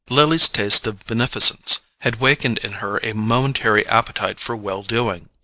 Lily's taste of beneficence had wakened in her a momentary appetite for well doing.